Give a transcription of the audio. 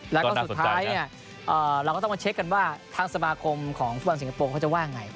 แล้วก็สุดท้ายเนี่ยเราก็ต้องมาเช็คกันว่าทางสมาคมของฟุตบอลสิงคโปร์เขาจะว่าไง